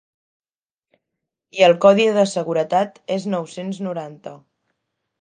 I el codi de seguretat és nou-cents noranta.